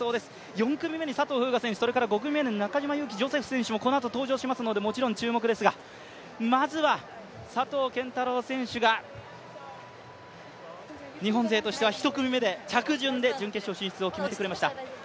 ４組目に佐藤風雅選手、５組目に中島佑気ジョセフ選手もこのあと登場しますのでもちろん注目ですがまずは佐藤拳太郎選手が日本勢としては１組目で、着順で準決勝進出を決めてくれました。